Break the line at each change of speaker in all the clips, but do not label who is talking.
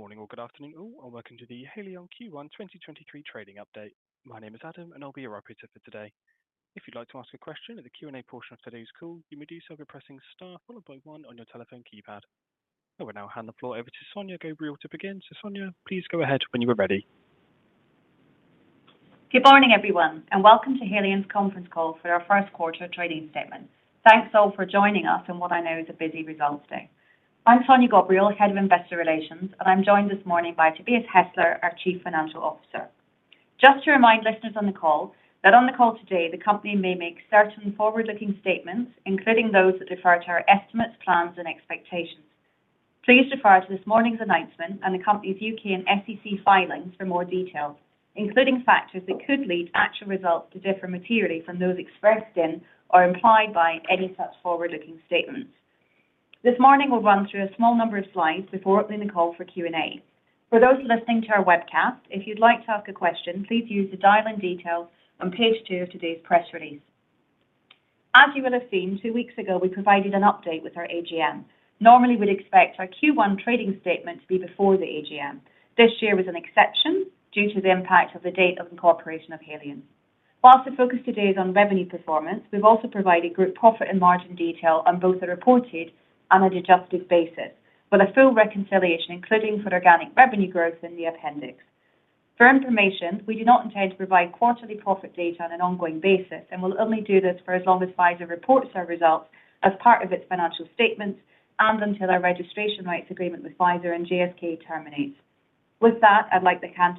Good morning or good afternoon all, welcome to the Haleon Q1 2023 trading update. My name is Adam, I'll be your operator for today. If you'd like to ask a question in the Q&A portion of today's call, you may do so by pressing star followed by one on your telephone keypad. I will now hand the floor over to begin. Sonya, please go ahead when you are ready.
Good morning, everyone, and welcome to Haleon's conference call for our first quarter trading statement. Thanks all for joining us in what I know is a busy results day. I'm Sonya Ghobrial, Head of Investor Relations. I'm joined this morning by Tobias Hestler, our Chief Financial Officer. Just to remind listeners on the call that on the call today, the company may make certain forward-looking statements, including those that refer to our estimates, plans, and expectations. Please refer to this morning's announcement and the company's U.K. and SEC filings for more details, including factors that could lead actual results to differ materially from those expressed in or implied by any such forward-looking statements. This morning, we'll run through a small number of slides before opening the call for Q&A. For those listening to our webcast, if you'd like to ask a question, please use the dial-in details on page two of today's press release. As you will have seen, two weeks ago, we provided an update with our AGM. Normally, we'd expect our Q1 trading statement to be before the AGM. This year was an exception due to the impact of the date of incorporation of Haleon. Whilst the focus today is on revenue performance, we've also provided group profit and margin detail on both the reported and adjusted basis, with a full reconciliation, including for organic revenue growth in the appendix. For information, we do not intend to provide quarterly profit data on an ongoing basis, and will only do this for as long as Pfizer reports our results as part of its financial statements and until our registration rights agreement with Pfizer and GSK terminates. With that, I'd like hand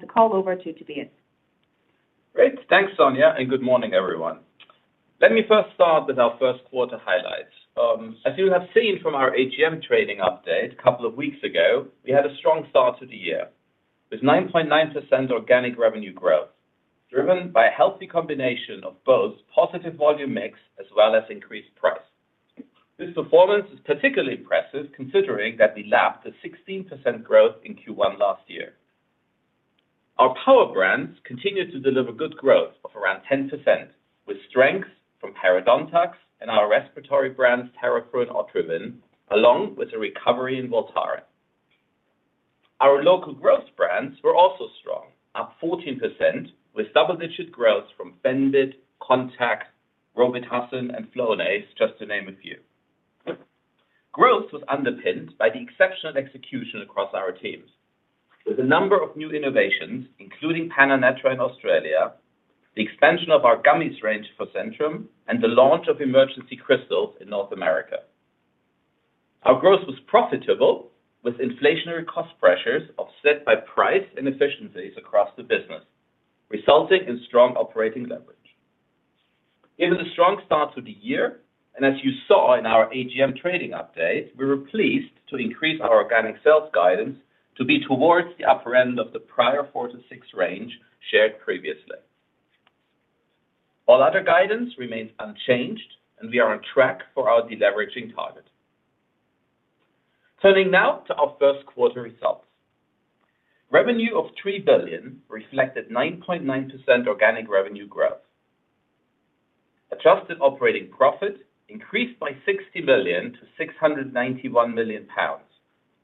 the call over to Tobias.
Great. Thanks, Sonya, good morning, everyone. Let me first start with our first quarter highlights. As you have seen from our AGM trading update a couple of weeks ago, we had a strong start to the year, with 9.9% organic revenue growth, driven by a healthy combination of both positive volume mix as well as increased price. This performance is particularly impressive considering that we lapped the 16% growth in Q1 last year. Our power brands continued to deliver good growth of around 10%, with strength from Parodontax and our respiratory brands Theraflu, Otrivin, along with a recovery in Voltaren. Our local growth brands were also strong, up 14% with double-digit growth from Fenbid, Contac, Rometacin, and Flonase, just to name a few. Growth was underpinned by the exceptional execution across our teams. With a number of new innovations, including PanaNatra in Australia, the expansion of our gummies range for Centrum, and the launch of Emergen-C Crystals in North America. Our growth was profitable with inflationary cost pressures offset by price and efficiencies across the business, resulting in strong operating leverage. It was a strong start to the year, as you saw in our AGM trading update, we were pleased to increase our organic sales guidance to be towards the upper end of the prior four-six range shared previously. All other guidance remains unchanged. We are on track for our deleveraging target. Turning now to our first quarter results. Revenue of 3 billion reflected 9.9% organic revenue growth. Adjusted operating profit increased by 60 million to 691 million pounds,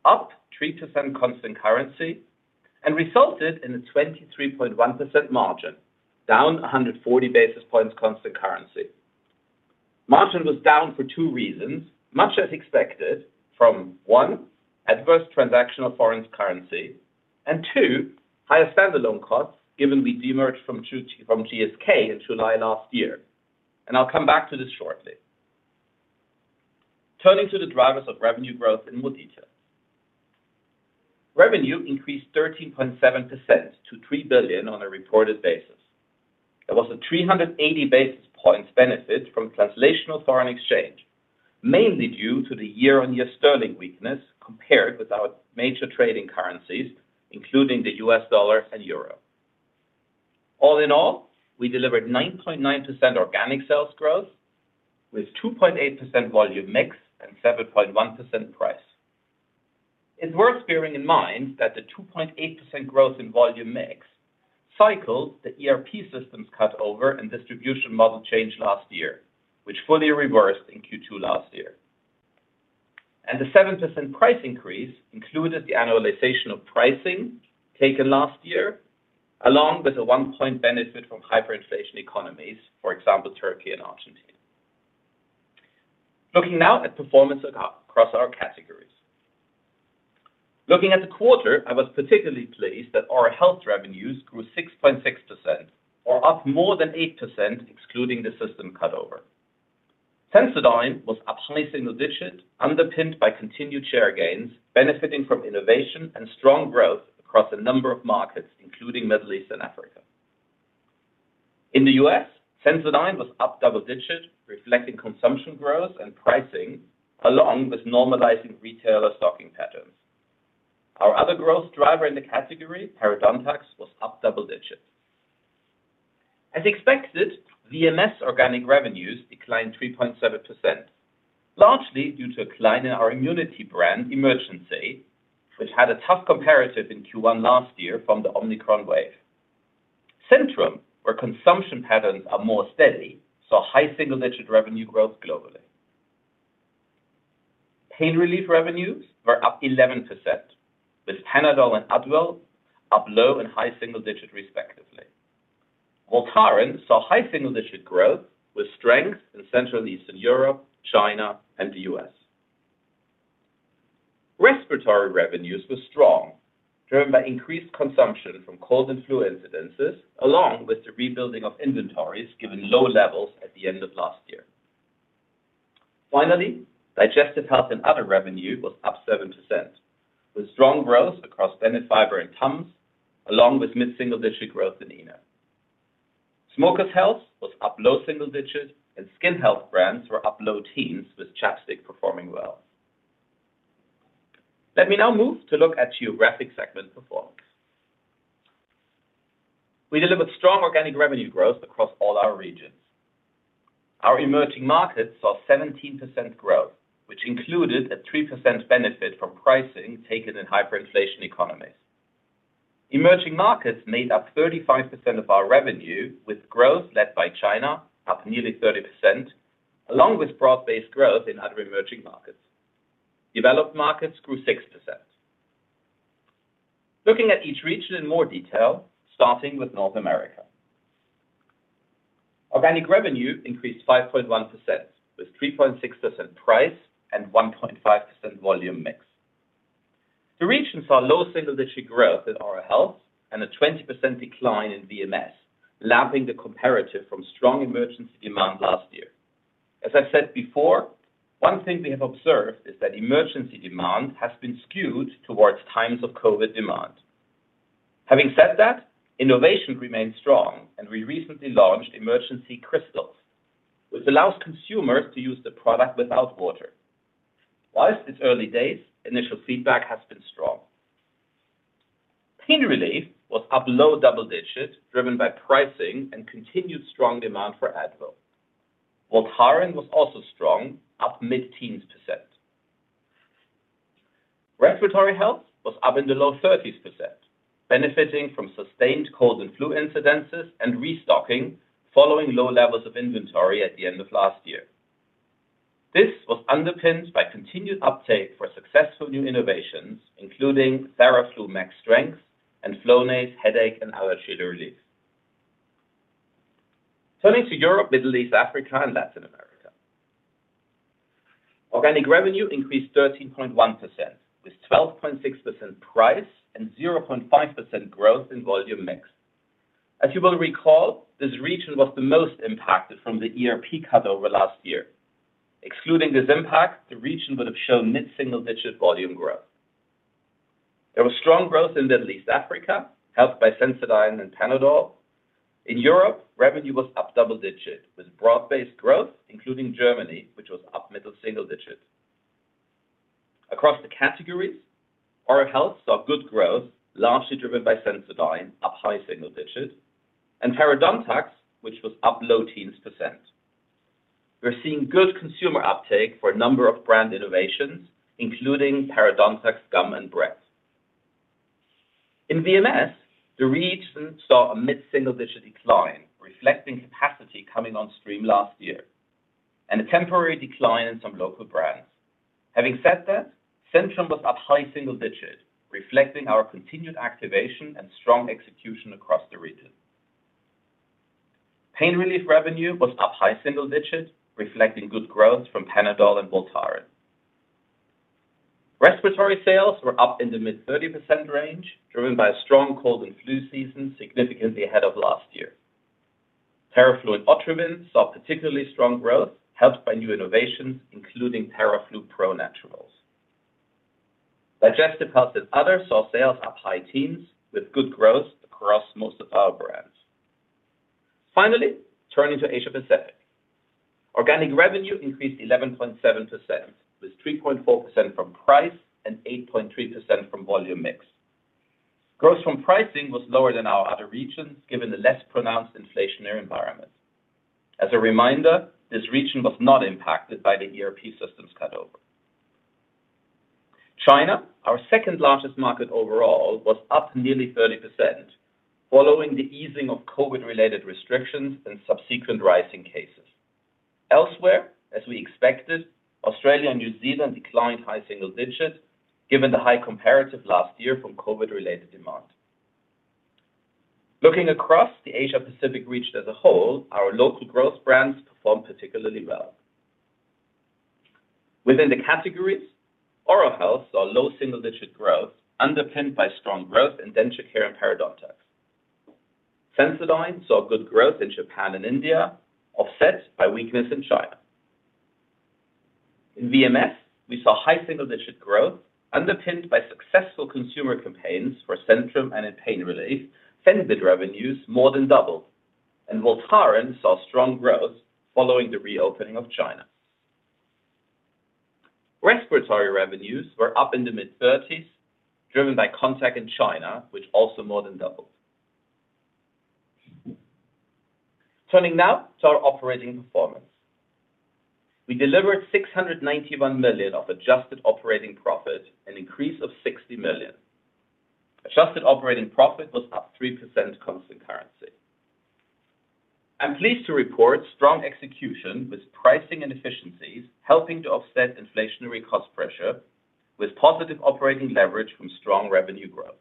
up 3% constant currency, resulted in a 23.1% margin, down 140 basis points constant currency. Margin was down for two reasons, much as expected from, one, adverse transactional foreign currency, and two, higher stand-alone costs, given we demerged from GSK in July last year. I'll come back to this shortly. Turning to the drivers of revenue growth in more detail. Revenue increased 13.7% to 3 billion on a reported basis. There was a 380 basis points benefit from translational foreign exchange, mainly due to the year-on-year sterling weakness compared with our major trading currencies, including the U.S. dollar and euro. All in all, we delivered 9.9% organic sales growth with 2.8% volume mix and 7.1% price. It's worth bearing in mind that the 2.8% growth in volume mix cycled the ERP systems cut over and distribution model change last year, which fully reversed in Q2 last year. The 7% price increase included the annualization of pricing taken last year, along with a one-point benefit from hyperinflation economies, for example, Turkey and Argentina. Looking now at performance across our categories. Looking at the quarter, I was particularly pleased that our health revenues grew 6.6% or up more than 8% excluding the system cutover. Sensodyne was up high single-digit, underpinned by continued share gains, benefiting from innovation and strong growth across a number of markets, including Middle East and Africa. In the U.S., Sensodyne was up double-digit, reflecting consumption growth and pricing, along with normalizing retailer stocking patterns. Our other growth driver in the category, parodontax, was up double-digit. As expected, VMS organic revenues declined 3.7%, largely due to a decline in our immunity brand, Emergen-C, which had a tough comparative in Q1 last year from the Omicron wave. Centrum, where consumption patterns are more steady, saw high single-digit revenue growth globally. Pain relief revenues were up 11%, with Panadol and Advil up low and high single-digit respectively. Voltaren saw high single-digit growth with strength in Central Eastern Europe, China, and the U.S.. Respiratory revenues were strong, driven by increased consumption from cold and flu incidences, along with the rebuilding of inventories given low levels at the end of last year. Digestive health and other revenue was up 7%, with strong growth across Benefiber and TUMS, along with mid-single digit growth in ENO. Smoker's Health was up low single digits, skin health brands were up low teens, with ChapStick performing well. Let me now move to look at geographic segment performance. We delivered strong organic revenue growth across all our regions. Our emerging markets saw 17% growth, which included a 3% benefit from pricing taken in hyperinflation economies. Emerging markets made up 35% of our revenue, with growth led by China, up nearly 30%, along with broad-based growth in other emerging markets. Developed markets grew 6%. Looking at each region in more detail, starting with North America. Organic revenue increased 5.1%, with 3.6% price and 1.5% volume mix. The region saw low single-digit growth in Oral Health and a 20% decline in VMS, lapping the comparative from strong emergency demand last year. As I said before, one thing we have observed is that emergency demand has been skewed towards times of COVID demand. Having said that, innovation remains strong. We recently launched Emergen-C Crystals, which allows consumers to use the product without water. While it's early days, initial feedback has been strong. Pain relief was up low double digits, driven by pricing and continued strong demand for Advil. Voltaren was also strong, up mid-teens %. Respiratory health was up in the low 30%, benefiting from sustained cold and flu incidences and restocking following low levels of inventory at the end of last year. This was underpinned by continued uptake for successful new innovations, including Theraflu Max Strength and FLONASE Headache & Allergy Relief. Turning to Europe, Middle East, Africa, and Latin America. Organic revenue increased 13.1%, with 12.6% price and 0.5% growth in volume mix. As you will recall, this region was the most impacted from the ERP cut over last year. Excluding this impact, the region would have shown mid-single digit volume growth. There was strong growth in Middle East Africa, helped by Sensodyne and Panadol. In Europe, revenue was up double digit, with broad-based growth, including Germany, which was up middle single digit. Across the categories, Oral Health saw good growth, largely driven by Sensodyne, up high single digits, and parodontax, which was up low teens %. We're seeing good consumer uptake for a number of brand innovations, including parodontax gum and breath. In VMS, the region saw a mid-single digit decline, reflecting capacity coming on stream last year and a temporary decline in some local brands. Having said that, Centrum was up high single digit, reflecting our continued activation and strong execution across the region. Pain relief revenue was up high single digit, reflecting good growth from Panadol and Voltaren. Respiratory sales were up in the mid 30% range, driven by a strong cold and flu season, significantly ahead of last year. Theraflu and Otrivin saw particularly strong growth, helped by new innovations, including Theraflu Pro Naturals. Digestive health and others saw sales up high teens with good growth across most of our brands. Finally, turning to Asia Pacific. Organic revenue increased 11.7%, with 3.4% from price and 8.3% from volume mix. Growth from pricing was lower than our other regions, given the less pronounced inflationary environment. As a reminder, this region was not impacted by the ERP systems cutover. China, our second-largest market overall, was up nearly 30% following the easing of COVID-related restrictions and subsequent rise in cases. Elsewhere, as we expected, Australia and New Zealand declined high single digits given the high comparative last year from COVID-related demand. Looking across the Asia Pacific region as a whole, our local growth brands performed particularly well. Within the categories, Oral Health saw low single-digit growth, underpinned by strong growth in denture care and parodontax. Sensodyne saw good growth in Japan and India, offset by weakness in China. In VMS, we saw high single-digit growth underpinned by successful consumer campaigns for Centrum and in pain relief. Sensodyne revenues more than doubled, and Voltaren saw strong growth following the reopening of China. Respiratory revenues were up in the mid-30s, driven by Contac in China, which also more than doubled. Turning now to our operating performance. We delivered 691 million of adjusted operating profit, an increase of 60 million. Adjusted operating profit was up 3% constant currency. I'm pleased to report strong execution with pricing and efficiencies, helping to offset inflationary cost pressure with positive operating leverage from strong revenue growth.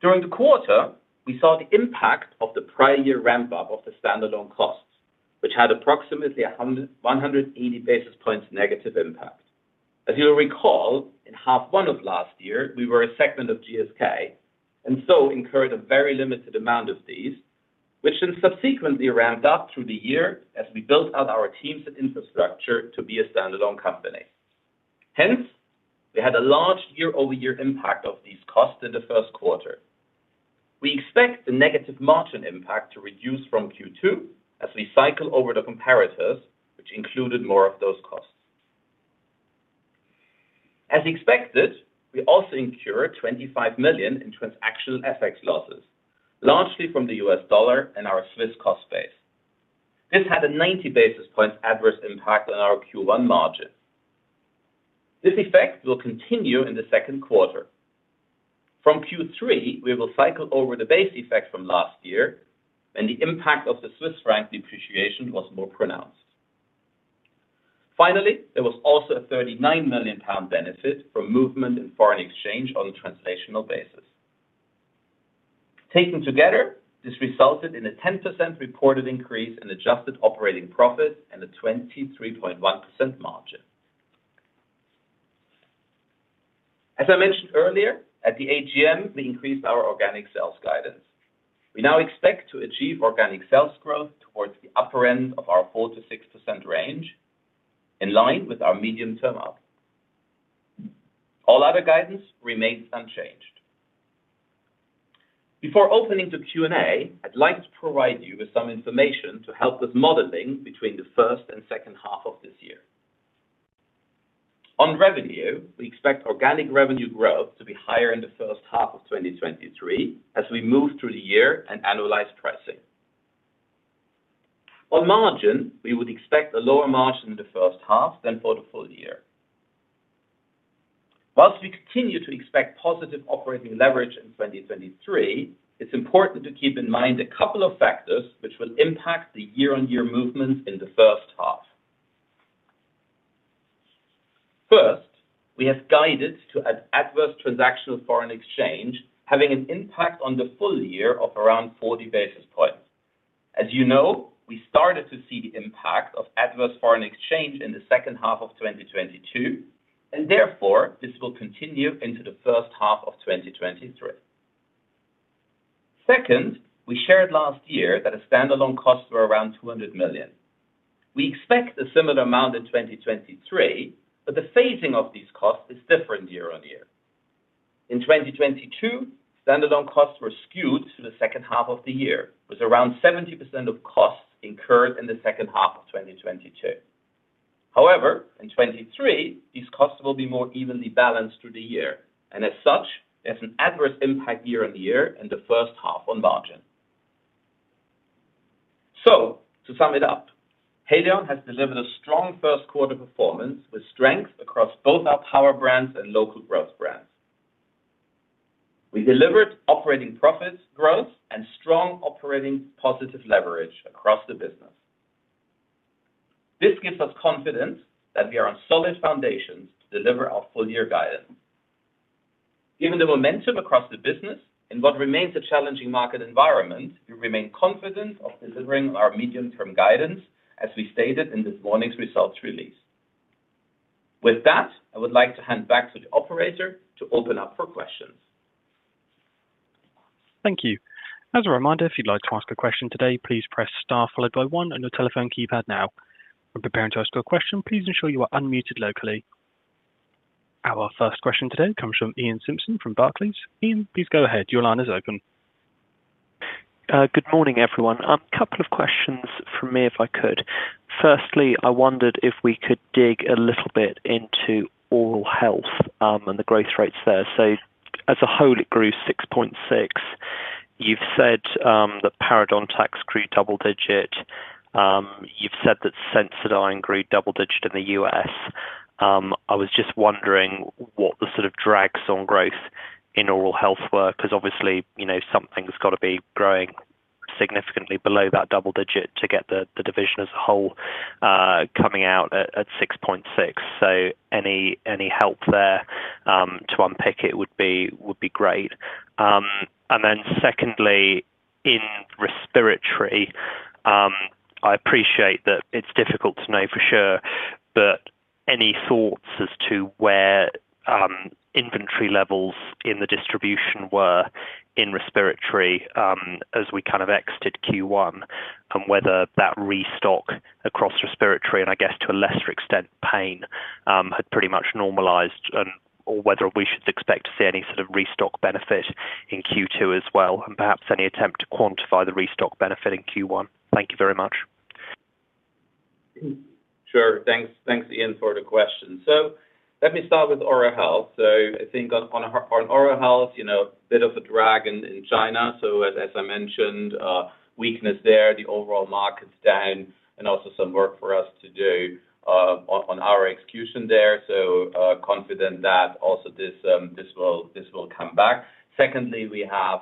During the quarter, we saw the impact of the prior year ramp-up of the standalone costs, which had approximately 180 basis points negative impact. As you'll recall, in half one of last year, we were a segment of GSK and so incurred a very limited amount of these, which then subsequently ramped up through the year as we built out our teams and infrastructure to be a standalone company. We had a large year-over-year impact of these costs in the first quarter. We expect the negative margin impact to reduce from Q2 as we cycle over the comparators, which included more of those costs. As expected, we also incurred 25 million in transactional FX losses, largely from the US dollar and our Swiss cost base. This had a 90 basis points adverse impact on our Q1 margins. This effect will continue in the second quarter. From Q3, we will cycle over the base effect from last year, and the impact of the Swiss franc depreciation was more pronounced. There was also a 39 million pound benefit from movement in foreign exchange on a translational basis. Taken together, this resulted in a 10% reported increase in adjusted operating profit and a 23.1% margin. As I mentioned earlier, at the AGM, we increased our organic sales guidance. We now expect to achieve organic sales growth towards the upper end of our 4%-6% range, in line with our medium term up. All other guidance remains unchanged. Before opening to Q&A, I'd like to provide you with some information to help with modeling between the first and second half of this year. On revenue, we expect organic revenue growth to be higher in the first half of 2023 as we move through the year and annualize pricing. On margin, we would expect a lower margin in the first half than for the full year. While we continue to expect positive operating leverage in 2023, it's important to keep in mind a couple of factors which will impact the year-on-year movements in the first half. We have guided to an adverse transactional foreign exchange having an impact on the full year of around 40 basis points. As you know, we started to see the impact of adverse foreign exchange in the second half of 2022, this will continue into the first half of 2023. We shared last year that our standalone costs were around 200 million. We expect a similar amount in 2023, the phasing of these costs is different year-on-year. In 2022, standalone costs were skewed to the second half of the year, with around 70% of costs incurred in the second half of 2022. In 2023, these costs will be more evenly balanced through the year, there's an adverse impact year-on-year in the first half on margin. To sum it up, Haleon has delivered a strong first quarter performance with strength across both our power brands and local growth brands. We delivered operating profits growth, and strong operating positive leverage across the business. This gives us confidence that we are on solid foundations to deliver our full-year guidance. Given the momentum across the business in what remains a challenging market environment, we remain confident of delivering on our medium-term guidance, as we stated in this morning's results release. With that, I would like to hand back to the operator to open up for questions.
Thank you. As a reminder, if you'd like to ask a question today, please press star followed by one on your telephone keypad now. When preparing to ask your question, please ensure you are unmuted locally. Our first question today comes from Iain Simpson from Barclays. Iain, please go ahead. Your line is open.
Good morning, everyone. Couple of questions from me, if I could. Firstly, I wondered if we could dig a little bit into Oral Health and the growth rates there. As a whole, it grew six point six. You've said that parodontax grew double digit. You've said that Sensodyne grew double digit in the U.S.. I was just wondering what the sort of drags on growth in Oral Health were, 'cause obviously, you know, something's got to be growing significantly below that double digit to get the division as a whole coming out at six point six. Any help there to unpick it would be great. Secondly, in respiratory, I appreciate that it's difficult to know for sure, but any thoughts as to where, inventory levels in the distribution were in respiratory, as we kind of exited Q1, and whether that restock across respiratory and I guess to a lesser extent, pain, had pretty much normalized and or whether we should expect to see any sort of restock benefit in Q2 as well, and perhaps any attempt to quantify the restock benefit in Q1? Thank you very much.
Sure. Thanks, Iain, for the question. Let me start with Oral Health. I think on Oral Health, you know, a bit of a drag in China. As I mentioned, weakness there, the overall market's down and also some work for us to do on our execution there. Confident that also this will come back. Secondly, we have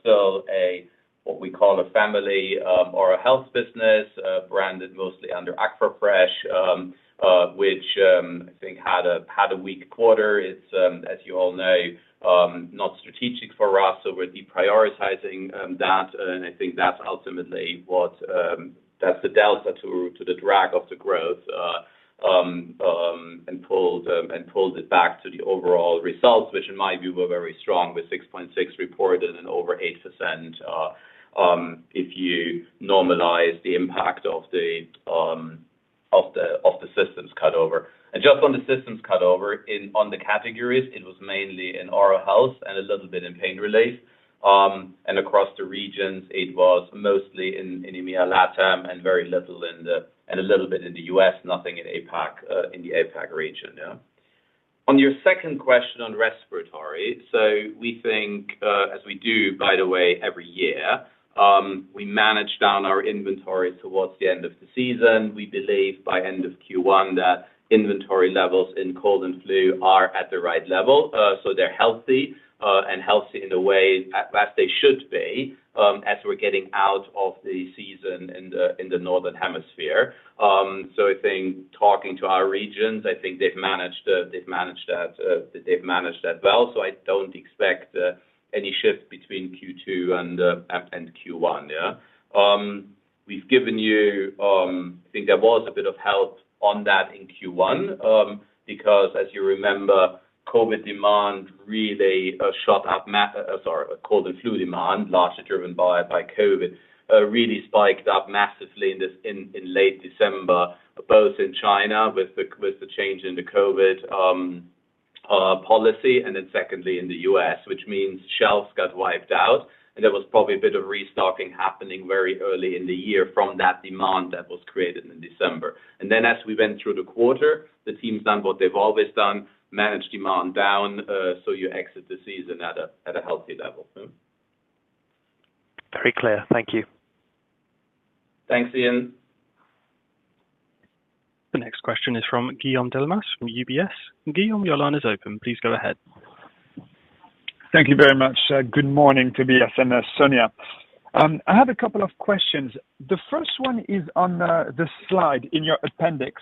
still a what we call a family Oral Health business, branded mostly under Aquafresh, which I think had a weak quarter. It's, as you all know, not strategic for us, so we're deprioritizing that, and I think that's ultimately what that's the delta to the drag of the growth and pulls it back to the overall results, which in my view were very strong with six point six reported and over 8% if you normalize the impact of the systems cut over. Just on the systems cut over on the categories, it was mainly in Oral Health and a little bit in pain relief. Across the regions, it was mostly in EMEA, LatAm and very little in the U.S., nothing in APAC, in the APAC region. On your second question on respiratory. We think, as we do, by the way, every year, we manage down our inventory towards the end of the season. We believe by end of Q1 that inventory levels in cold and flu are at the right level. They're healthy, and healthy in a way at last they should be, as we're getting out of the season in the, in the Northern Hemisphere. I think talking to our regions, I think they've managed, they've managed that, they've managed that well. I don't expect any shift between Q2 and Q1. Yeah. We've given you, I think there was a bit of help on that in Q1, because as you remember, COVID demand really shot up, sorry, cold and flu demand, largely driven by COVID, really spiked up massively in late December, both in China with the change in the COVID policy and then secondly in the U.S., which means shelves got wiped out and there was probably a bit of restocking happening very early in the year from that demand that was created in December. As we went through the quarter, the team's done what they've always done, manage demand down, so you exit the season at a healthy level. Yeah.
Very clear. Thank you.
Thanks, Iain.
The next question is from Guillaume Delmas from UBS. Guillaume, your line is open. Please go ahead.
Thank you very much. Good morning Tobias and Sonya. I have a couple of questions. The first one is on the slide in your appendix.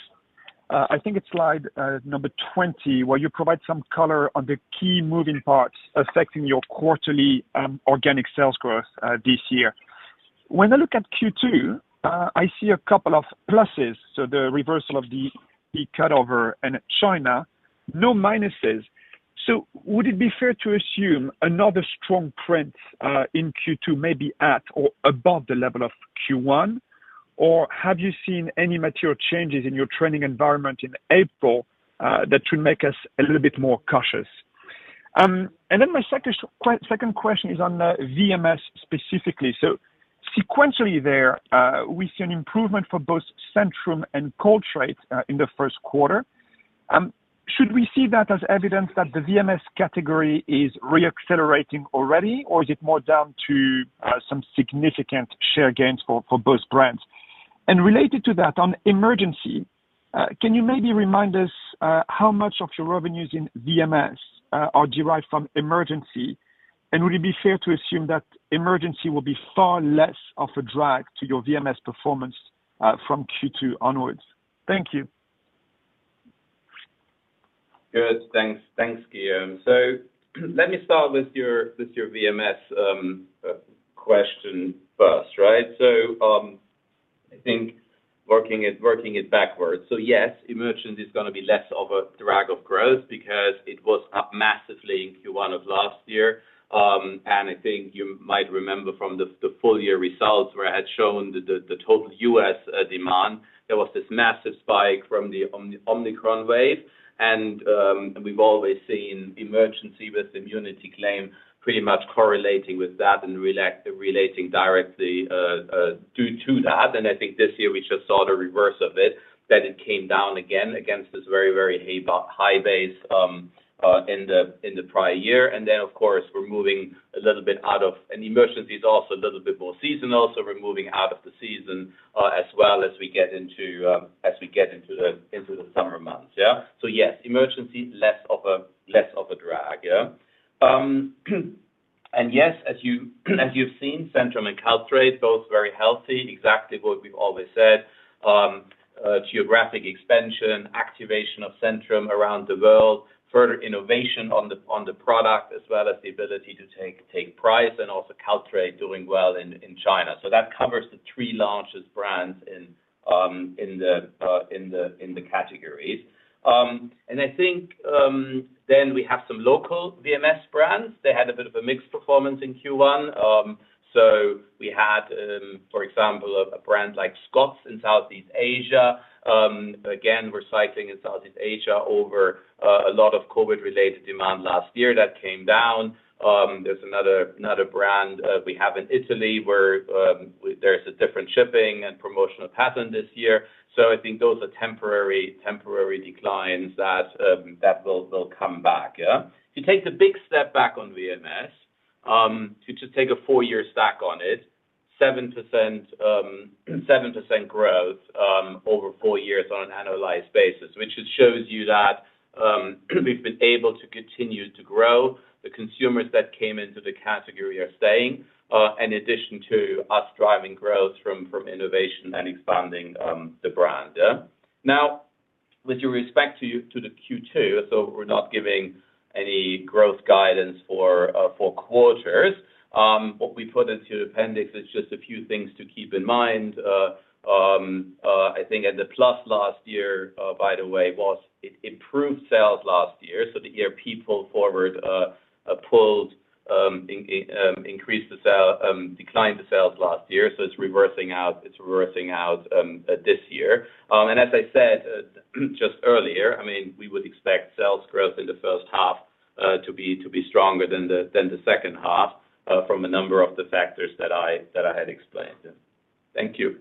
I think it's slide number 20, where you provide some color on the key moving parts affecting your quarterly organic sales growth this year. When I look at Q2, I see a couple of pluses, so the reversal of the cut over in China, no minuses. Would it be fair to assume another strong print in Q2 may be at or above the level of Q1? Have you seen any material changes in your trending environment in April that would make us a little bit more cautious? My second question is on VMS specifically. Sequentially there, we see an improvement for both Centrum and Culturelle in the first quarter. Should we see that as evidence that the VMS category is re-accelerating already, or is it more down to some significant share gains for both brands? Related to that, on Emergen-C, can you maybe remind us how much of your revenues in VMS are derived from Emergen-C? Would it be fair to assume that Emergen-C will be far less of a drag to your VMS performance from Q2 onwards? Thank you.
Good. Thanks. Thanks, Guillaume. Let me start with your VMS question first, right? I think working it backwards. Yes, Emergen-C is going to be less of a drag of growth because it was up massively in Q1 of last year. I think you might remember from the full year results where I had shown the total U.S. demand, there was this massive spike from the Omicron wave. We've always seen Emergen-C with immunity claim pretty much correlating with that and relating directly due to that. I think this year we just saw the reverse of it, that it came down again against this very, very high base in the prior year. Of course, we're moving a little bit out of... Emergen-C is also a little bit more seasonal, so we're moving out of the season, as well as we get into the summer months. Yes, Emergen-C, less of a drag. Yes, as you've seen, Centrum and Caltrate, both very healthy, exactly what we've always said. Geographic expansion, activation of Centrum around the world, further innovation on the product, as well as the ability to take price, and also Caltrate doing well in China. That covers the three largest brands in the categories. I think we have some local VMS brands. They had a bit of a mixed performance in Q1. We had, for example, a brand like Scott's in Southeast Asia. Again, we're cycling in Southeast Asia over a lot of COVID-related demand last year that came down. There's another brand we have in Italy where there's a different shipping and promotional pattern this year. I think those are temporary declines that will come back, yeah. If you take the big step back on VMS, to take a four-year stack on it, 7% growth over 4 years on an annualized basis, which shows you that we've been able to continue to grow. The consumers that came into the category are staying, in addition to us driving growth from innovation and expanding the brand, yeah. Now with respect to the Q2, we're not giving any growth guidance for four quarters. What we put into the appendix is just a few things to keep in mind. I think as a plus last year, by the way, was it improved sales last year. The year people forward pulled increased the sale, declined the sales last year, it's reversing out this year. As I said just earlier, I mean, we would expect sales growth in the first half to be stronger than the second half from a number of the factors that I had explained. Thank you.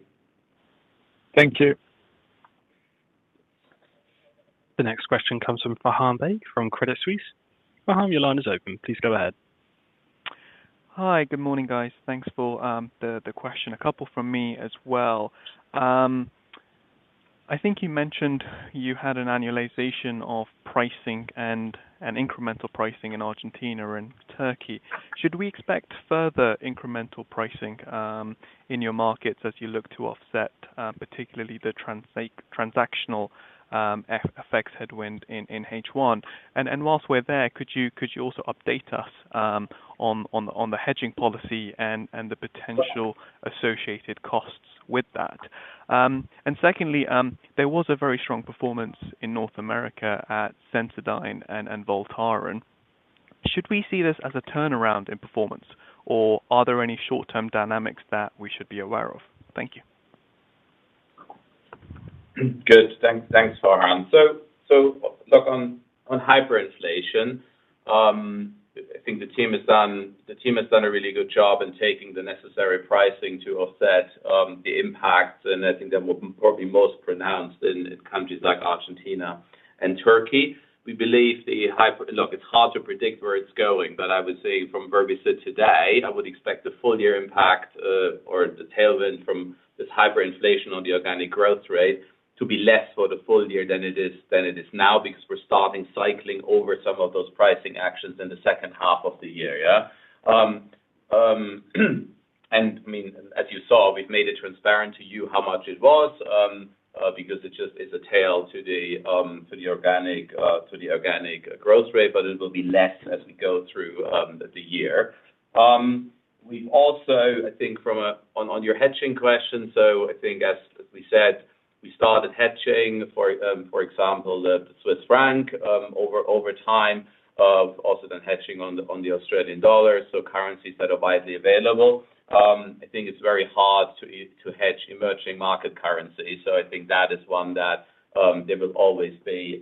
Thank you. The next question comes from Farhan Shaikh from Credit Suisse. Farhan, your line is open. Please go ahead.
Hi. Good morning, guys. Thanks for the question. A couple from me as well. I think you mentioned you had an annualization of pricing and an incremental pricing in Argentina and Turkey. Should we expect further incremental pricing in your markets as you look to offset particularly the transactional effects headwind in H1? Whilst we're there, could you also update us on the hedging policy and the potential associated costs with that? Secondly, there was a very strong performance in North America at Sensodyne and Voltaren. Should we see this as a turnaround in performance, or are there any short-term dynamics that we should be aware of? Thank you.
Good. Thanks. Thanks, Farhan. Look, on hyperinflation, I think the team has done a really good job in taking the necessary pricing to offset the impact. I think that will be probably most pronounced in countries like Argentina and Turkey. We believe. Look, it's hard to predict where it's going. I would say from where we sit today, I would expect the full year impact, or the tailwind from this hyperinflation on the organic growth rate to be less for the full year than it is now, because we're starting cycling over some of those pricing actions in the second half of the year, yeah. I mean, as you saw, we've made it transparent to you how much it was, because it just, it's a tail to the organic growth rate, but it will be less as we go through the year. We've also, I think on your hedging question, I think as we said, we started hedging for example, the Swiss franc over time, also then hedging on the Australian dollar, so currencies that are widely available. I think it's very hard to hedge emerging market currency. I think that is one that there will always be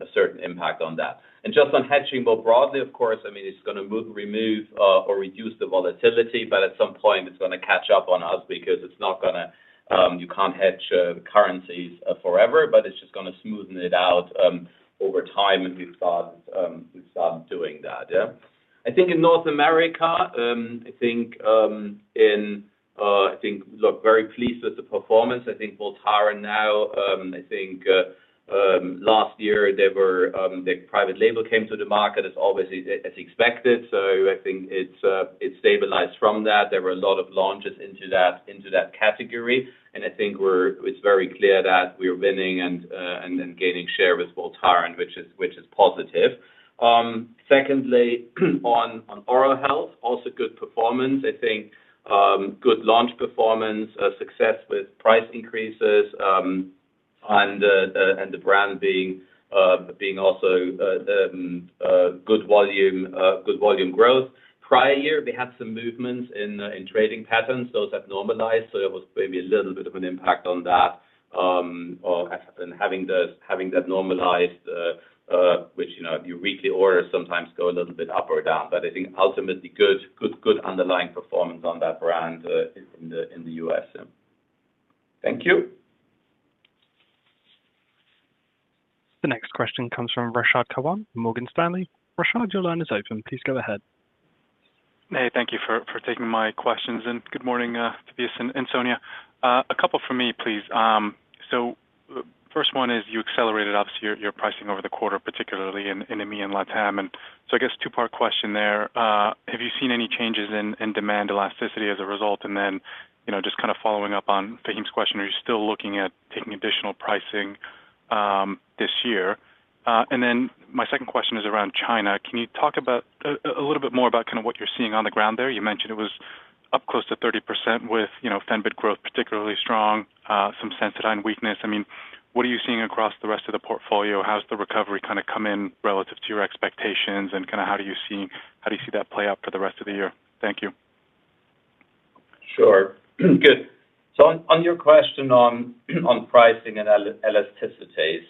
a certain impact on that. Just on hedging more broadly, of course, I mean, it's gonna remove or reduce the volatility, but at some point it's gonna catch up on us because it's not gonna, you can't hedge currencies forever, but it's just gonna smoothen it out over time as we start doing that. Yeah. I think in North America, I think look, very pleased with the performance. I think Voltaren now, I think last year there were the private label came to the market as obviously as expected, so I think it's stabilized from that. There were a lot of launches into that, into that category, and I think it's very clear that we're winning and then gaining share with Voltaren, which is positive. Secondly, on oral health, also good performance. I think good launch performance, success with price increases, and the brand being also good volume growth. Prior year, we had some movements in trading patterns. Those have normalized, so there was maybe a little bit of an impact on that. Having that normalized, which, you know, your weekly orders sometimes go a little bit up or down. I think ultimately good underlying performance on that brand, in the, in the U.S.
Thank you.
The next question comes from Rashad Kawan, Morgan Stanley. Rashad, your line is open. Please go ahead.
Hey, thank you for taking my questions, and good morning, Tobias and Sonya. A couple from me, please. First one is you accelerated obviously your pricing over the quarter, particularly in EMEA and LatAm. I guess two-part question there. Have you seen any changes in demand elasticity as a result? You know, just kind of following up on Farhan's question, are you still looking at taking additional pricing this year? My second question is around China. Can you talk about a little bit more about kinda what you're seeing on the ground there? You mentioned it was up close to 30% with, you know, Fenbid growth particularly strong, some Sensodyne weakness. I mean, what are you seeing across the rest of the portfolio? How's the recovery kinda come in relative to your expectations, kinda how do you see that play out for the rest of the year? Thank you.
Sure. Good. On your question on pricing and elasticity.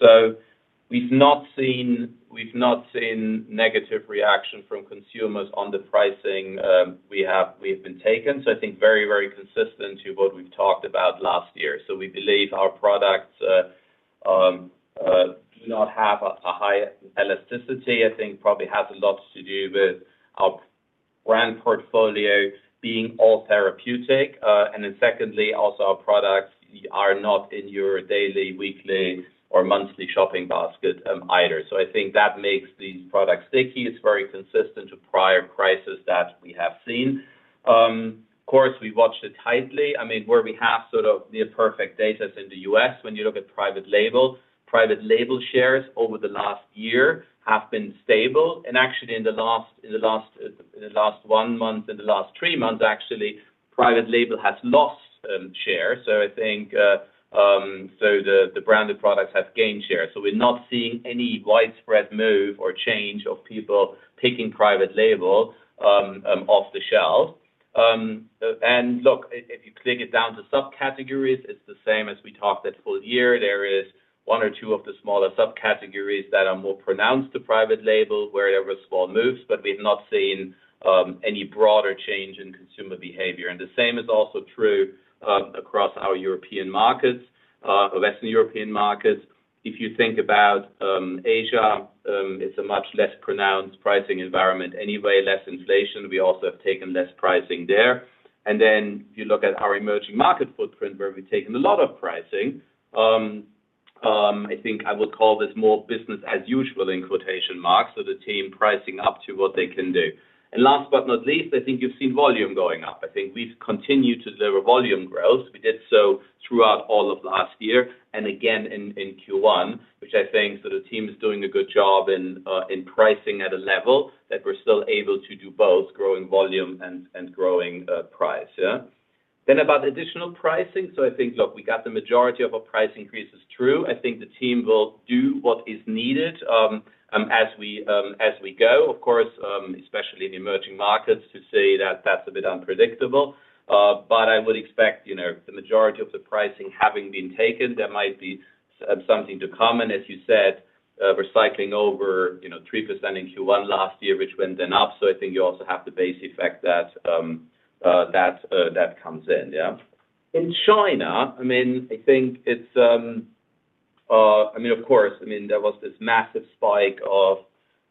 We've not seen negative reaction from consumers on the pricing, we have been taken. I think very consistent to what we've talked about last year. We believe our products do not have a high elasticity. I think probably has a lot to do with our brand portfolio being all therapeutic. Secondly, also our products are not in your daily, weekly, or monthly shopping basket either. I think that makes these products sticky. It's very consistent to prior prices that we have seen. Of course, we watched it tightly. I mean, where we have sort of near perfect data is in the US, when you look at private label. Private label shares over the last year have been stable. Actually in the last 1 month and the last 3 months, actually, private label has lost share. I think the branded products have gained share. We're not seeing any widespread move or change of people taking private label off the shelf. If you take it down to subcategories, it's the same as we talked at full year. There is 1 or 2 of the smaller subcategories that are more pronounced to private label, where there were small moves, but we've not seen any broader change in consumer behavior. The same is also true across our European markets, Western European markets. If you think about Asia, it's a much less pronounced pricing environment anyway, less inflation. We also have taken less pricing there. If you look at our emerging market footprint, where we've taken a lot of pricing, I think I would call this more business as usual in quotation marks, so the team pricing up to what they can do. Last but not least, I think you've seen volume going up. I think we've continued to deliver volume growth. We did so throughout all of last year and again in Q1, which I think so the team is doing a good job in pricing at a level that we're still able to do both growing volume and growing price. About additional pricing. I think, look, we got the majority of our price increases through. I think the team will do what is needed as we go. Of course, especially in emerging markets, to say that that's a bit unpredictable. I would expect, you know, the majority of the pricing having been taken, there might be something to come. As you said, recycling over, you know, 3% in Q1 last year, which went then up. I think you also have the base effect that comes in, yeah. In China, I mean, I think it's. I mean, of course, I mean, there was this massive spike of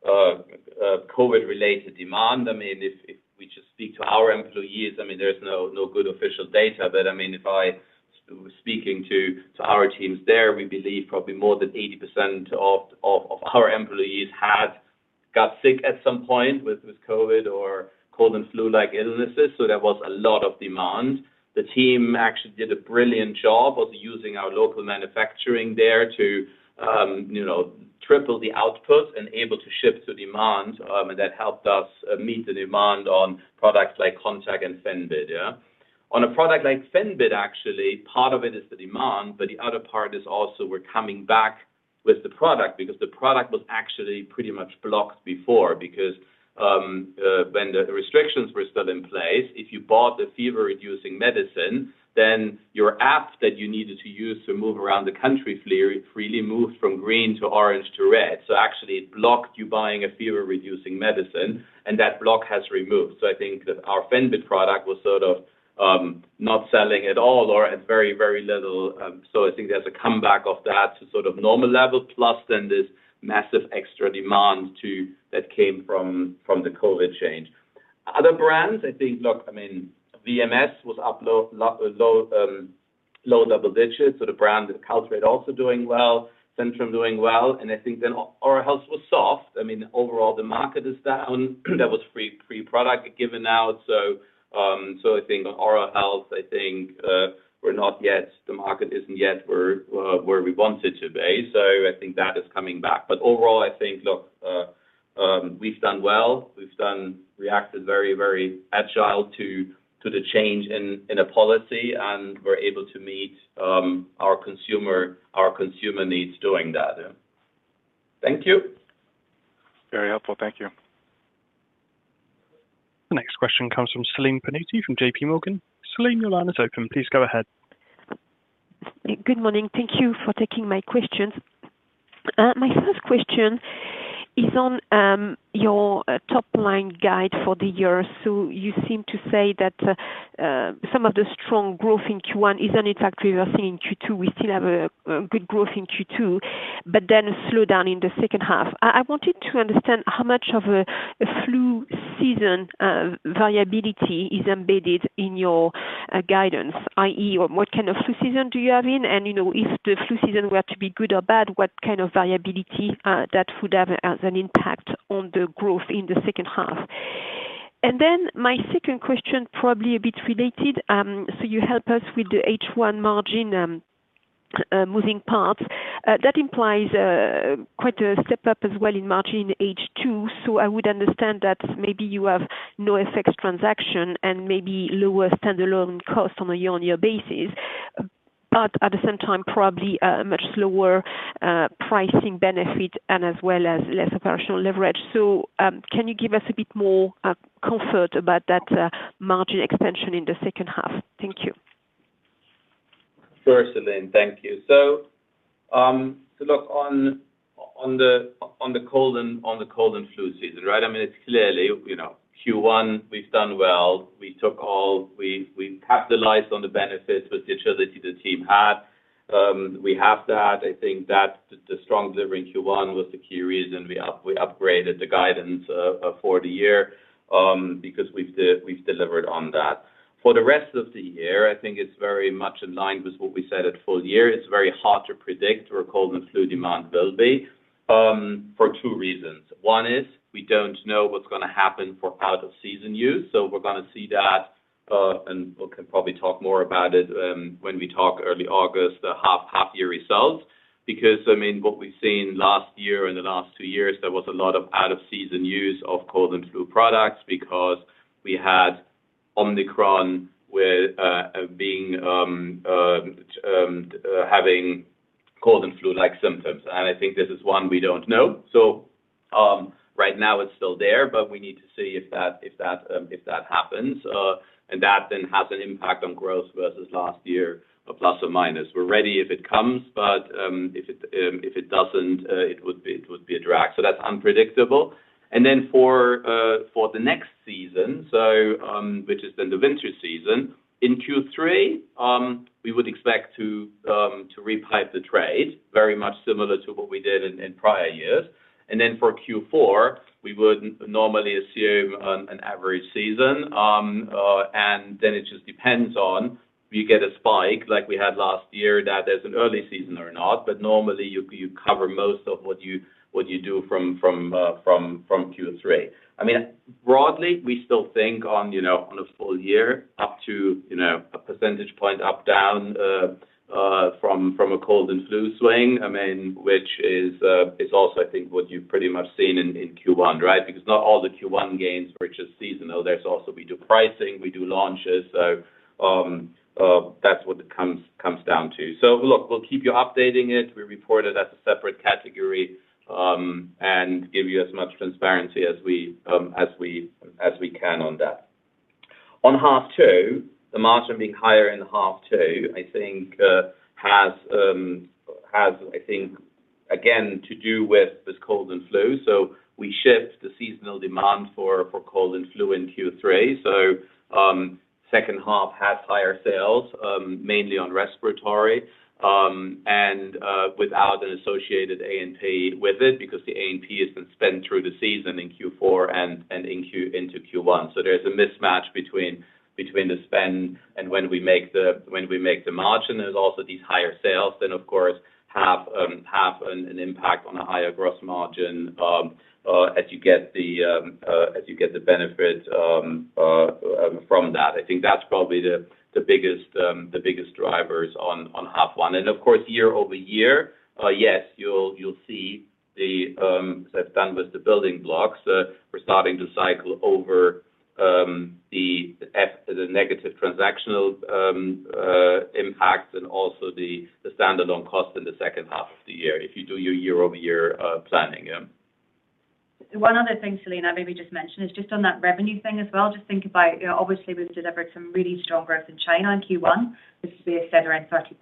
COVID-related demand. I mean, if we just speak to our employees, I mean, there's no good official data. I mean, if I speaking to our teams there, we believe probably more than 80% of our employees had got sick at some point with COVID or cold and flu-like illnesses. There was a lot of demand. The team actually did a brilliant job of using our local manufacturing there to, you know, triple the output and able to ship to demand. That helped us meet the demand on products like Contac and Fenbid, yeah. On a product like Fenbid, actually, part of it is the demand. The other part is also we're coming back with the product because the product was actually pretty much blocked before. When the restrictions were still in place, if you bought the fever-reducing medicine, then your app that you needed to use to move around the country freely moved from green to orange to red. Actually, it blocked you buying a fever-reducing medicine, and that block has removed. I think that our Fenbid product was sort of not selling at all or at very, very little. I think there's a comeback of that to sort of normal level, plus then this massive extra demand too that came from the COVID change. Other brands, I think, look, I mean, VMS was up low double digits, the brand is calculated also doing well, Centrum doing well. I think then Oral Health was soft. I mean, overall, the market is down. There was free product given out. I think Oral Health, I think, the market isn't yet where we want it to be. I think that is coming back. Overall, I think, look, we've done well. We've reacted very, very agile to the change in a policy, and we're able to meet our consumer needs doing that. Thank you.
Very helpful. Thank you.
The next question comes from Celine Pannuti from J.P. Morgan. Celine, your line is open. Please go ahead.
Good morning. Thank you for taking my questions. My first question is on your top-line guide for the year. You seem to say that some of the strong growth in Q1 is an impact we were seeing in Q2. We still have a good growth in Q2, but then a slowdown in the second half. I wanted to understand how much of a flu season variability is embedded in your guidance, i.e., or what kind of flu season do you have in? You know, if the flu season were to be good or bad, what kind of variability that would have as an impact on the growth in the second half? My second question, probably a bit related, so you help us with the H1 margin moving parts. That implies quite a step-up as well in margin in H2. I would understand that maybe you have no effects transaction and maybe lower standalone cost on a year-on-year basis. At the same time, probably a much lower pricing benefit and as well as less operational leverage. Can you give us a bit more comfort about that margin expansion in the second half? Thank you.
Sure, Celine, thank you. Look on the cold and flu season, right? I mean, it's clearly, you know, Q1 we've done well. We capitalized on the benefits with agility the team had. We have that. I think that the strong delivery in Q1 was the key reason we upgraded the guidance for the year because we've delivered on that. For the rest of the year, I think it's very much in line with what we said at full year. It's very hard to predict where cold and flu demand will be for two reasons. One is we don't know what's gonna happen for out-of-season use, so we're gonna see that and we can probably talk more about it when we talk early August, the half-year results. Because, I mean, what we've seen last year and the last two years, there was a lot of out-of-season use of cold and flu products because we had Omicron with being having cold and flu-like symptoms. I think this is one we don't know. Right now it's still there, but we need to see if that happens, and that then has an impact on growth versus last year of plus or minus. We're ready if it comes, but if it doesn't, it would be a drag. That's unpredictable. For the next season, which is then the winter season, in Q3, we would expect to repipe the trade, very much similar to what we did in prior years. For Q4, we would normally assume an average season. It just depends on, we get a spike like we had last year that there's an early season or not, but normally you cover most of what you do from Q3. I mean, broadly, we still think on, you know, on a full year, up to, you know, 1 percentage point up down from a cold and flu swing, I mean, which is also I think what you've pretty much seen in Q1, right? Because not all the Q1 gains were just seasonal. There's also we do pricing, we do launches. That's what it comes down to. Look, we'll keep you updating it. We report it as a separate category, and give you as much transparency as we can on that. On half 2, the margin being higher in half 2, I think again to do with this cold and flu. We shift the seasonal demand for cold and flu in Q3. Second half has higher sales mainly on respiratory and without an associated A&P with it, because the A&P has been spent through the season in Q4 and into Q1. There's a mismatch between the spend and when we make the margin. There's also these higher sales, then of course have an impact on a higher gross margin, as you get the benefit from that. I think that's probably the biggest drivers on half one. Of course, year-over-year, yes, you'll see, as I've done with the building blocks, we're starting to cycle over the negative transactional impact and also the standard on cost in the second half of the year, if you do your year-over-year planning, yeah.
One other thing, Celine, I maybe just mention, is just on that revenue thing as well. Just think about, you know, obviously we've delivered some really strong growth in China in Q1, which we have said around 30%.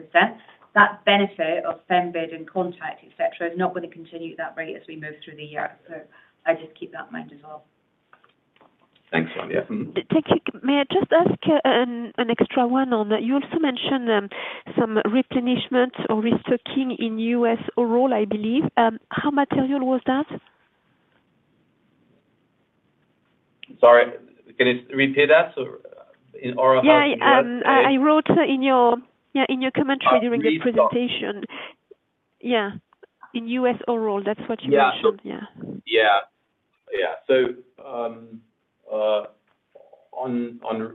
That benefit of Fenbid and Contac, et cetera, is not gonna continue at that rate as we move through the year. I'd just keep that in mind as well.
Thanks, Sonya.
Thank you. May I just ask an extra one on that? You also mentioned some replenishment or restocking in U.S. oral, I believe. How material was that?
Sorry, can you repeat that? In Oral Health.
Yeah. I wrote in your commentary during the presentation.
Oh, restock.
Yeah. In U.S. Oral, that's what you mentioned.
Yeah.
Yeah.
Yeah. Yeah.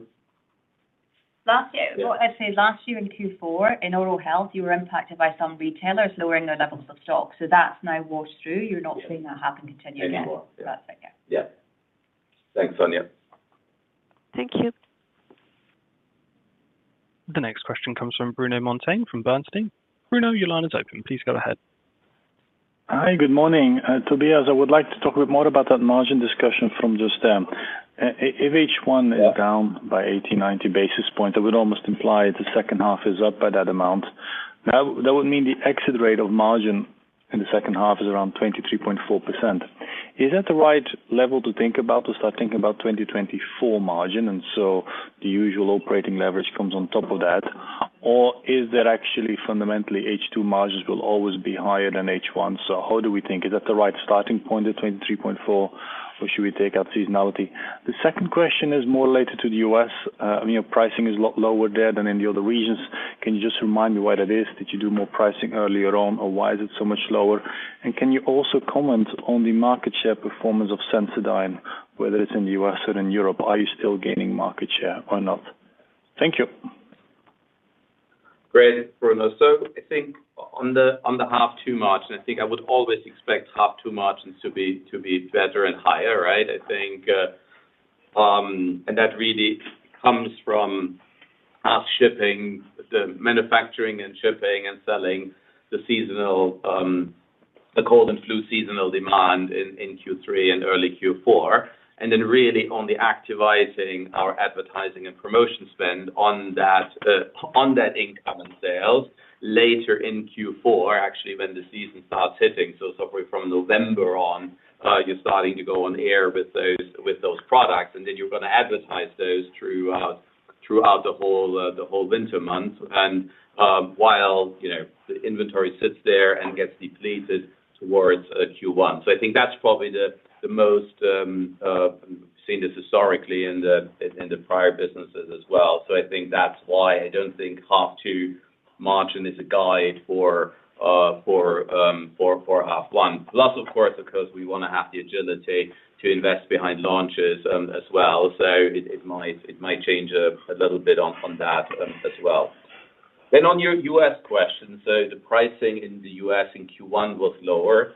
Last year. Well, I'd say last year in Q4, in Oral Health, you were impacted by some retailers lowering their levels of stock. That's now washed through. You're not seeing that happen continue again.
Anymore. Yeah.
That's it, yeah.
Yeah. Thanks, Sonya.
Thank you.
The next question comes from Bruno Monteyne from Bernstein. Bruno, your line is open. Please go ahead.
Hi, good morning. Tobias, I would like to talk a bit more about that margin discussion from just them. If H1 is down by 80, 90 basis points, that would almost imply the second half is up by that amount. That would mean the exit rate of margin in the second half is around 23.4%. Is that the right level to think about to start thinking about 2024 margin, the usual operating leverage comes on top of that? Is there actually fundamentally H2 margins will always be higher than H1? How do we think, is that the right starting point at 23.4, or should we take out seasonality? The second question is more related to the U.S.. You know, pricing is lot lower there than in the other regions. Can you just remind me why that is? Did you do more pricing earlier on, or why is it so much lower? Can you also comment on the market share performance of Sensodyne, whether it's in the U.S. or in Europe? Are you still gaining market share or not? Thank you.
Great, Bruno. I think on the half 2 margin, I think I would always expect half 2 margins to be better and higher, right? That really comes from us shipping the manufacturing and shipping and selling the seasonal cold and flu seasonal demand in Q3 and early Q4, and then really only activating our advertising and promotion spend on that income and sales latr in Q4, actually when the season starts hitting. Somewhere from November on, you're starting to go on air with those products, and then you're gonna advertise those throughout the whole winter months. While, you know, the inventory sits there and gets depleted towards Q1. I think that's probably the most we've seen this historically in the prior businesses as well. I think that's why I don't think half 2 margin is a guide for half 1. Plus, of course, of course, we wanna have the agility to invest behind launches as well. It might change a little bit on that as well. On your U.S. question, the pricing in the U.S. in Q1 was lower.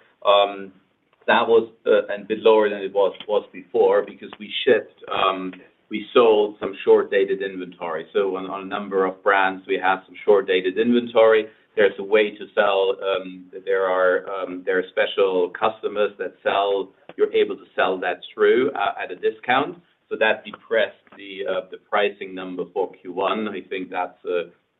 That was a bit lower than it was before because we shipped, we sold some short-dated inventory. On a number of brands, we have some short-dated inventory. There's a way to sell, there are special customers that sell... You're able to sell that through at a discount. That depressed the pricing number for Q1. I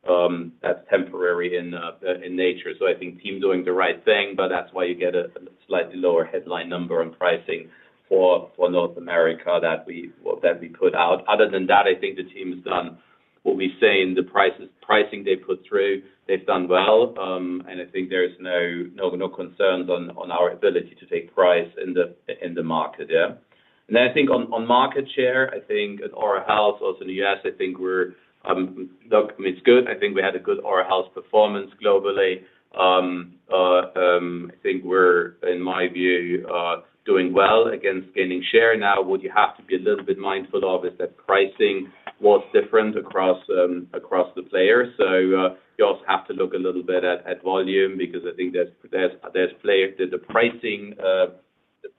think that's temporary in nature. I think team doing the right thing, but that's why you get a slightly lower headline number on pricing for North America that we put out. Other than that, I think the team's done what we say in the pricing they put through. They've done well. I think there is no concerns on our ability to take price in the market. Yeah. I think on market share, I think at Oral Health, also in the U.S., I think we're look, I mean, it's good. I think we had a good Oral Health performance globally. I think we're, in my view, doing well against gaining share. What you have to be a little bit mindful of is that pricing was different across the players. You also have to look a little bit at volume because I think there's The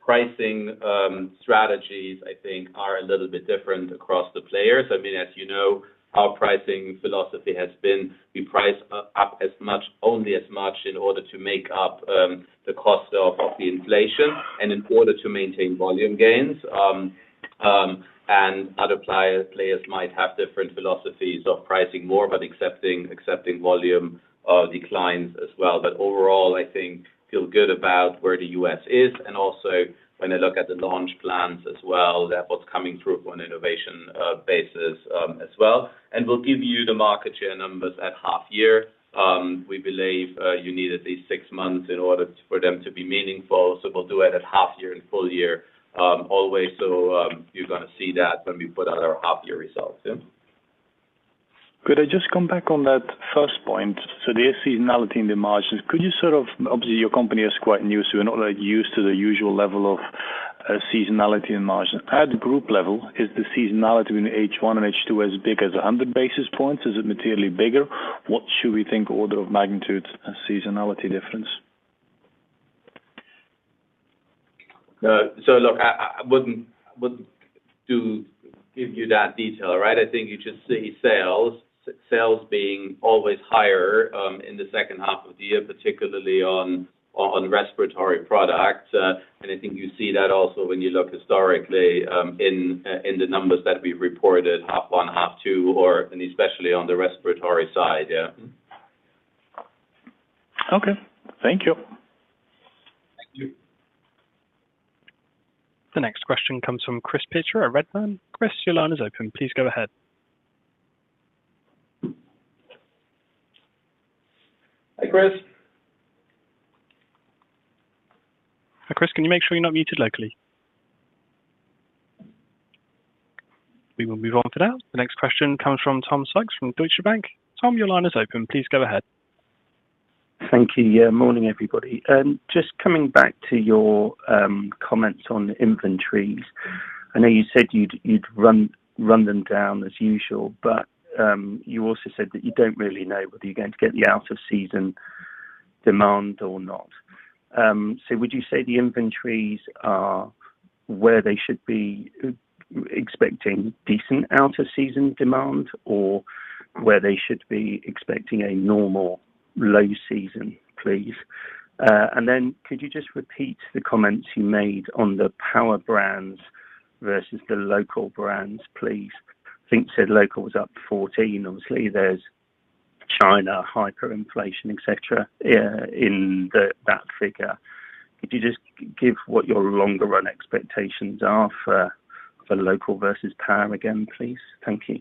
pricing strategies, I think, are a little bit different across the players. I mean, as you know, our pricing philosophy has been we price up as much, only as much in order to make up the cost of the inflation and in order to maintain volume gains. Other players might have different philosophies of pricing more, but accepting volume declines as well. Overall, I think feel good about where the US is and also when they look at the launch plans as well, that what's coming through on innovation basis as well. We'll give you the market share numbers at half year. We believe you need at least six months in order for them to be meaningful, so we'll do it at half year and full year always. You're gonna see that when we put out our half year results. Yeah.
Could I just come back on that first point? The seasonality in the margins. Obviously, your company is quite new, so you're not used to the usual level of seasonality in margin. At the group level, is the seasonality in H1 and H2 as big as 100 basis points? Is it materially bigger? What should we think order of magnitude seasonality difference?
Look, I wouldn't give you that detail, right? I think you just see sales being always higher in the second half of the year, particularly on respiratory products. I think you see that also when you look historically in the numbers that we reported half one, half two, or, and especially on the respiratory side. Yeah.
Okay. Thank you.
Thank you.
The next question comes from Chris Pitcher at Redburn. Chris, your line is open. Please go ahead.
Hi, Chris.
Hi, Chris. Can you make sure you're not muted locally? We will move on for now. The next question comes from Tom Sykes from Deutsche Bank. Tom, your line is open. Please go ahead.
Thank you. Morning, everybody. Just coming back to your comments on inventories. I know you said you'd run them down as usual. You also said that you don't really know whether you're going to get the out-of-season demand or not. Would you say the inventories are where they should be expecting decent out-of-season demand or where they should be expecting a normal low season, please? Then could you just repeat the comments you made on the power brands versus the local brands, please? I think you said local was up 14. Obviously, there's China hyperinflation, et cetera, in that figure. Could you just give what your longer run expectations are for local versus power again, please? Thank you.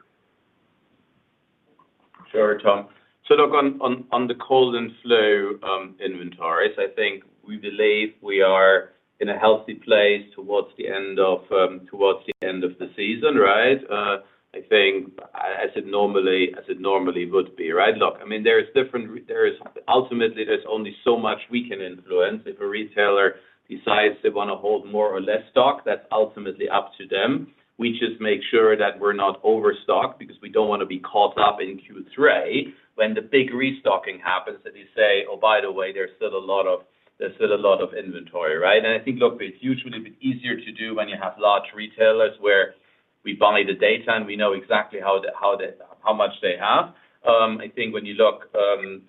Sure, Tom. Look, on the cold and flu inventories, I think we believe we are in a healthy place towards the end of, towards the end of the season, right? I think as it normally would be, right? Look, I mean, there is different. Ultimately, there's only so much we can influence. If a retailer decides they wanna hold more or less stock, that's ultimately up to them. We just make sure that we're not overstocked because we don't wanna be caught up in Q3 when the big restocking happens, that you say, "Oh, by the way, there's still a lot of inventory, right?" And I think, look, it's usually easier to do when you have large retailers where we buy the data, and we know exactly how much they have. I think when you look,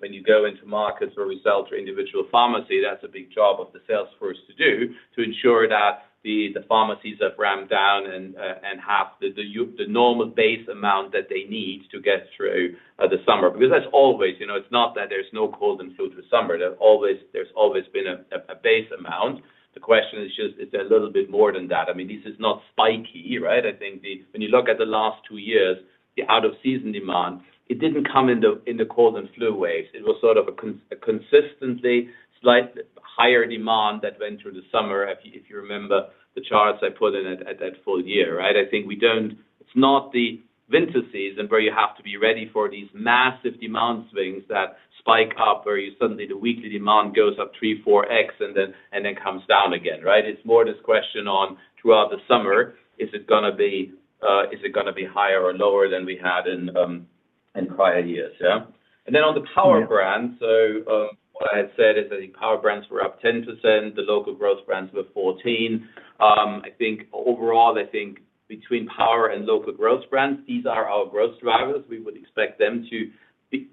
when you go into markets or results or individual pharmacy, that's a big job of the sales force to do to ensure that the pharmacies have ramped down and have the normal base amount that they need to get through the summer. That's always, you know, it's not that there's no cold and flu through summer. There's always, there's always been a base amount. The question is just, it's a little bit more than that. I mean, this is not spiky, right? I think when you look at the last two years, the out-of-season demand, it didn't come in the cold and flu waves. It was sort of a consistently slight higher demand that went through the summer. If you remember the charts I put in at that full year, right? I think we don't. It's not the winter season where you have to be ready for these massive demand swings that spike up, where you suddenly the weekly demand goes up three, four times, and then comes down again, right? It's more this question on throughout the summer, is it gonna be higher or lower than we had in prior years. On the power brand, what I had said is that the power brands were up 10%, the local growth brands were 14. I think overall, I think between power and local growth brands, these are our growth drivers. We would expect them to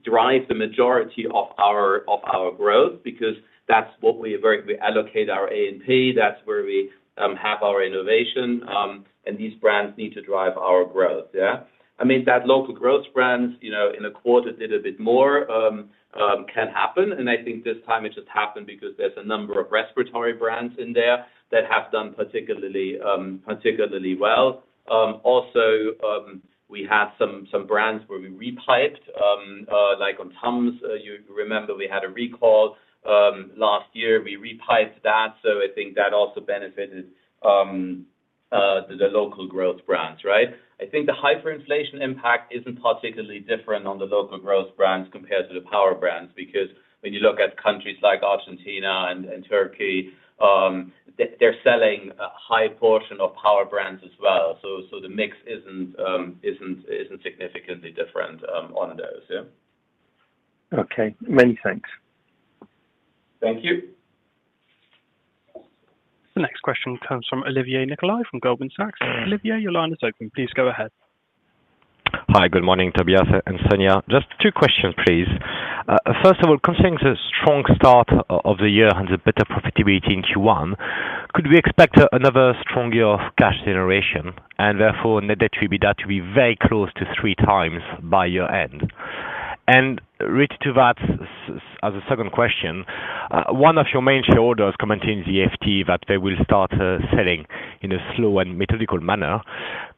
drive the majority of our growth because that's what we allocate our A&P, that's where we have our innovation, these brands need to drive our growth, yeah. I mean, that local growth brands, you know, in a quarter did a bit more can happen. I think this time it just happened because there's a number of respiratory brands in there that have done particularly well. Also, we have some brands where we repiped, like on TUMS, you remember we had a recall last year. We repiped that, I think that also benefited the local growth brands, right? I think the hyperinflation impact isn't particularly different on the local growth brands compared to the power brands, because when you look at countries like Argentina and Turkey, they're selling a high portion of power brands as well. The mix isn't significantly different on those, yeah.
Okay, many thanks.
Thank you.
The next question comes from Olivier Nicolaï from Goldman Sachs. Olivier, your line is open. Please go ahead.
Hi. Good morning, Tobias and Sonya. Just two questions, please. First of all, considering the strong start of the year and the better profitability in Q1, could we expect another strong year of cash generation and therefore net debt to EBITDA to be very close to three times by year-end? Related to that, as a second question, one of your main shareholders commenting in the FT that they will start selling in a slow and methodical manner,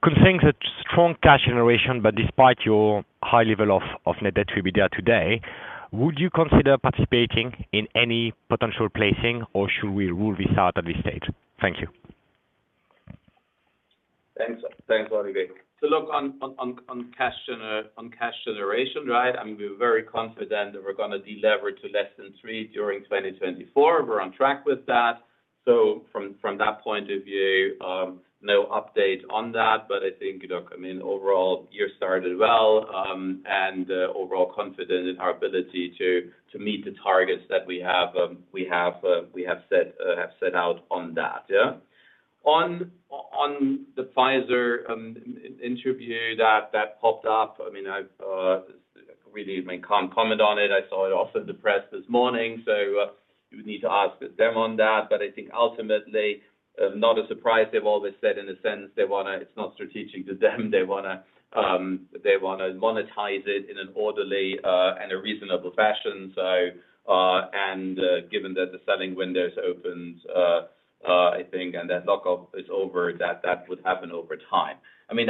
could think that strong cash generation, but despite your high level of net debt to EBITDA today, would you consider participating in any potential placing or should we rule this out at this state? Thank you.
Thanks. Thanks, Olivier. Look on cash generation, right? I mean, we're very confident that we're gonna delever to less than three during 2024. We're on track with that. From that point of view, no update on that. I think, look, I mean, overall, year started well, and overall confident in our ability to meet the targets that we have set out on that, yeah. On the Pfizer interview that popped up, I mean, I've really, I mean, can't comment on it. I saw it also in the press this morning, you would need to ask them on that. I think ultimately, not a surprise. They've always said in a sense they wanna... It's not strategic to them. They wanna, they wanna monetize it in an orderly and a reasonable fashion. Given that the selling window is opened, I think and that lockup is over, that would happen over time. I mean,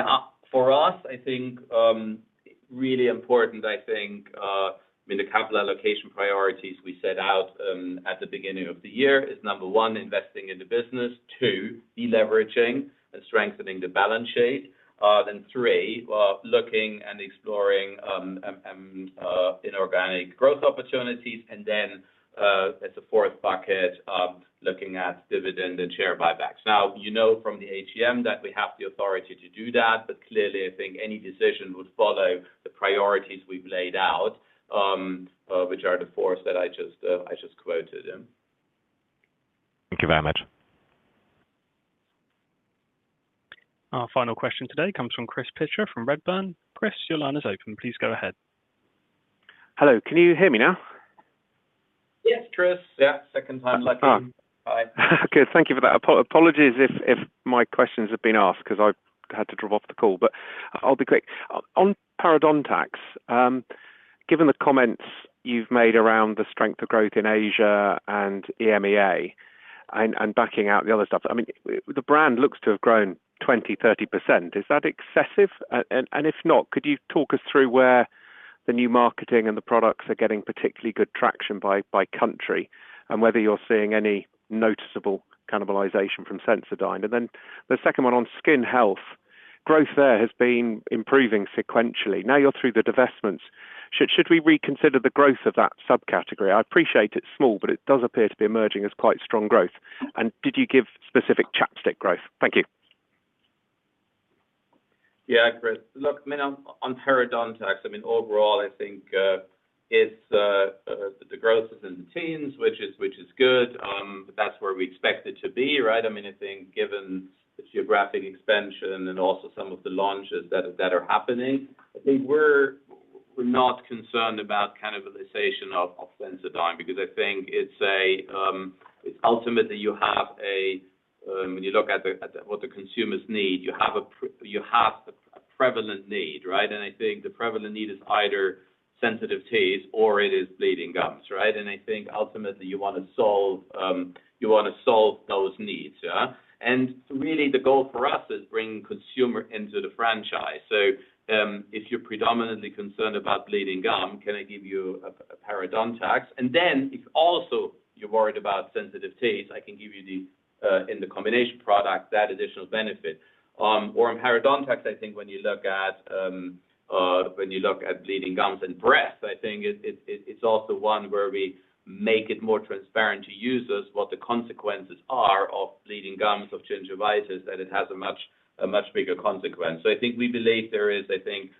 for us, I think, really important, I mean, the capital allocation priorities we set out at the beginning of the year is, number one, investing in the business. Two, deleveraging and strengthening the balance sheet. Three, looking and exploring inorganic growth opportunities. As a fourth bucket, looking at dividend and share buybacks. You know from the AGM that we have the authority to do that, but clearly, I think any decision would follow the priorities we've laid out, which are the four that I just quoted. Yeah.
Thank you very much.
Our final question today comes from Chris Pitcher from Redburn. Chris, your line is open. Please go ahead.
Hello. Can you hear me now?
Yes, Chris. Yeah. Second time's lucky.
Ah.
Hi.
Okay. Thank you for that. Apologies if my questions have been asked 'cause I had to drop off the call, but I'll be quick. On parodontax, given the comments you've made around the strength of growth in Asia and EMEA and backing out the other stuff, I mean, the brand looks to have grown 20%, 30%. Is that excessive? And if not, could you talk us through where the new marketing and the products are getting particularly good traction by country, and whether you're seeing any noticeable cannibalization from Sensodyne. The second one on skin health. Growth there has been improving sequentially. Now you're through the divestments. Should we reconsider the growth of that subcategory? I appreciate it's small, but it does appear to be emerging as quite strong growth. Did you give specific ChapStick growth? Thank you.
Chris, look, I mean, on parodontax, I mean, overall, I think, it's, the growth is in the teens, which is, which is good. That's where we expect it to be, right? I mean, I think given the geographic expansion and also some of the launches that are happening, I think we're not concerned about cannibalization of Sensodyne because I think it's a... It's ultimately you have a, when you look at what the consumers need, you have a prevalent need, right? I think the prevalent need is either sensitive teeth or it is bleeding gums, right? I think ultimately you wanna solve, you wanna solve those needs. Really the goal for us is bringing consumer into the franchise. If you're predominantly concerned about bleeding gum, can I give you a parodontax? If also you're worried about sensitive teeth, I can give you the in the combination product, that additional benefit. In parodontax, I think when you look at when you look at bleeding gums and breath, I think it's also one where we make it more transparent to users what the consequences are of bleeding gums, of gingivitis, that it has a much bigger consequence. I think we believe there is, I think,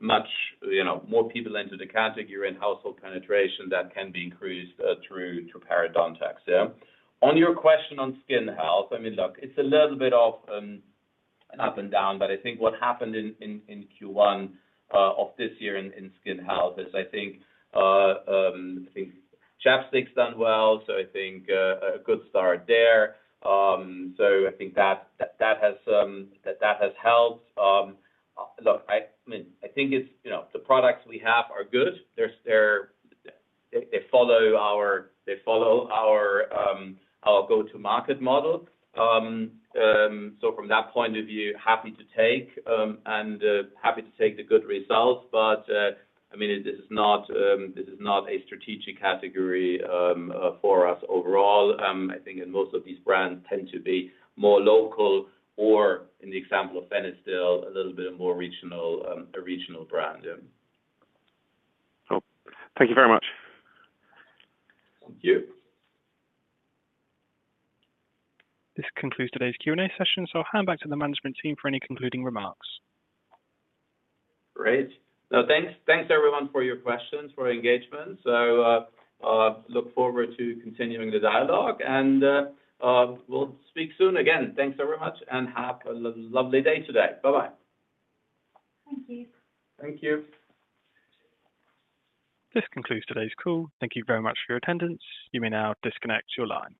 much, you know, more people into the category and household penetration that can be increased through parodontax. Yeah. On your question on skin health, I mean, look, it's a little bit of an up and down, but I think what happened in Q1 of this year in skin health is I think ChapStick's done well, so I think a good start there. So I think that has helped. Look, I mean, I think it's, you know, the products we have are good. They follow our go-to market model. So from that point of view, happy to take and happy to take the good results. I mean, this is not a strategic category for us overall. I think in most of these brands tend to be more local or in the example of Benylin, a little bit more regional, a regional brand. Yeah.
Cool. Thank you very much.
Thank you.
This concludes today's Q&A session, so I'll hand back to the management team for any concluding remarks.
Great. No, thanks everyone for your questions, for engagement. Look forward to continuing the dialogue and we'll speak soon. Thanks very much and have a lovely day today. Bye-bye.
Thank you.
Thank you.
This concludes today's call. Thank you very much for your attendance. You may now disconnect your line.